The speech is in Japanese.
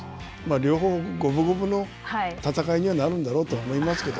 両方、五分五分の戦いにはなるんだろうと思います